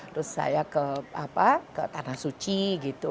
terus saya ke tanah suci gitu